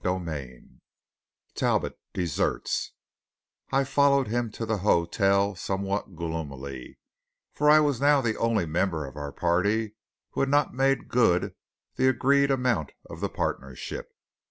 CHAPTER XII TALBOT DESERTS I followed him to the hotel somewhat gloomily; for I was now the only member of our party who had not made good the agreed amount of the partnership.